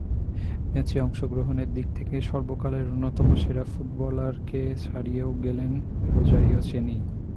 ম্যাচে অংশগ্রহণের দিক থেকে সর্বকালের অন্যতম সেরা ফুটবলারকে ছাড়িয়েও গেলেন রোজারিও চেনি।